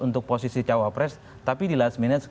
untuk posisi cawapres tapi di last minute